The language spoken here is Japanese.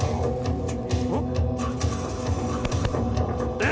えっ？